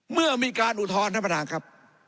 เมื่อมีการอุทธรณ์ท่านประธานครับ